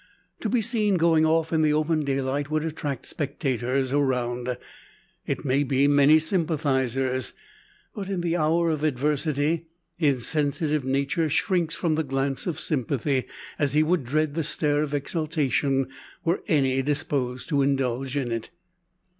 To be seen going off in the open daylight would attract spectators around; it may be many sympathisers. But in the hour of adversity his sensitive nature shrinks from the glance of sympathy, as he would dread the stare of exultation, were any disposed to indulge in it.